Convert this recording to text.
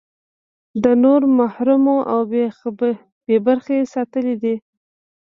ده نور محروم او بې برخې ساتلي دي.